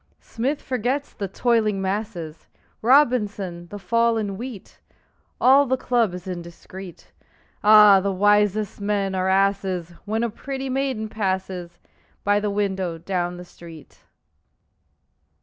Smith forgets the "toiling masses," Robinson, the fall in wheat; All the club is indiscret. Ah, the wisest men are asses When a pretty maiden passes By the window down the street!